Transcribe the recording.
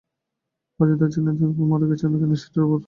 বাজি ধরেছিলাম তুমি মরে গিয়েছ কি না সেটার ওপর।